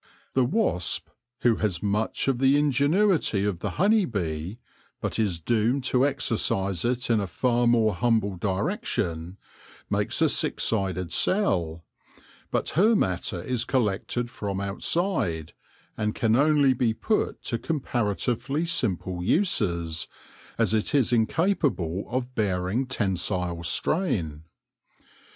The wasp, who has much of the in genuity of the honey bee, but is doomed to exercise it in a far more humble direction, makes a six sided cell ; but her matter is collected from outside, and can only be put to comparatively simple uses, as it is incapable of bearing tensile strain.